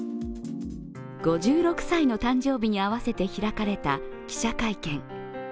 ５６歳の誕生日に合わせて開かれた記者会見。